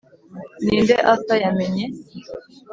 ninde arthur yamenye?